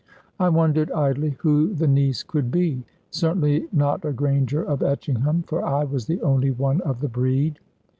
I wondered idly who the niece could be; certainly not a Granger of Etchingham, for I was the only one of the breed.